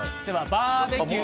バーベキュー。